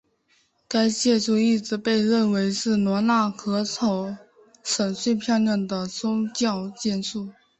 该建筑一直被认为是罗讷河口省最漂亮的宗教建筑。